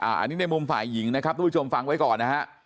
อันนี้ในมุมฝ่ายหญิงนะครับทุกผู้ชมฟังไว้ก่อนนะฮะ